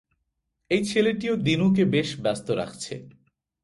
এই ছেলেটিও দিনুকে বেশ ব্যস্ত রাখছে।